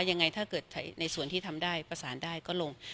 ยังไงถ้าเกิดในส่วนที่ทำได้ประสานได้ก็ลง